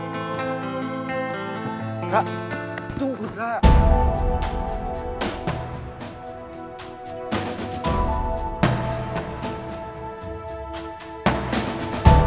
dadah stations biar faham itu ada di tingkat lady burl